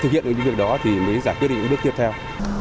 thực hiện những việc đó thì mới giải quyết những bước tiếp theo